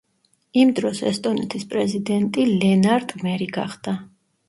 იმდროს ესტონეთის პრეზიდენტი ლენარტ მერი გახდა.